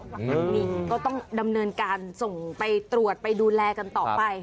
ก็ต้องดำเนินการส่งไปตรวจไปดูแลกันต่อไป